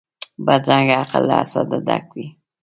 بدرنګه عقل له حسده ډک وي